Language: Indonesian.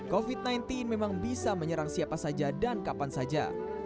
covid sembilan belas memang bisa menyerang siapa saja dan kapan saja